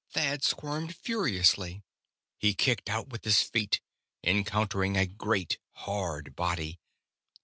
Thad squirmed furiously. He kicked out with his feet, encountering a great, hard body.